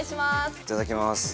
いただきます！